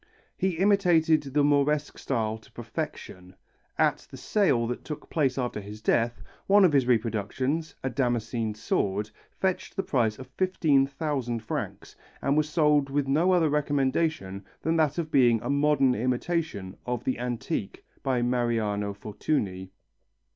He imitated the Moresque style to perfection. At the sale that took place after his death, one of his productions, a damascened sword, fetched the price of 15,000 francs, and was sold with no other recommendation than that of being a modern imitation of the antique by Mariano Fortuny.